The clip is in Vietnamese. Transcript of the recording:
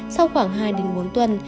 sau khoảng hai đến bốn tuần